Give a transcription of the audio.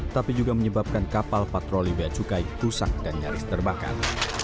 tapi juga menyebabkan kapal patroli b a cukai rusak dan nyaris terbakar